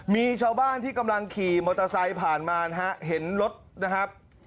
มีชาวบ้านที่กำลังขี่มอเตอร์ไซค์ผ่านมานะฮะเห็นรถนะครับ